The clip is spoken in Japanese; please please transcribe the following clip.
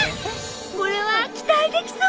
これは期待できそう！